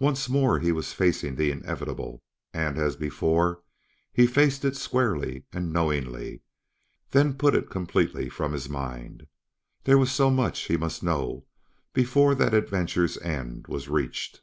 Once more he was facing the inevitable; and, as before, he faced it squarely and knowingly, then put it completely from his mind. There was so much he must know before that adventure's end was reached.